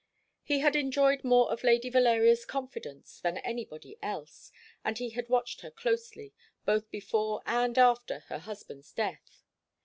He had enjoyed more of Lady Valeria's confidence than anybody else, and he had watched her closely, both before and after her husband's death.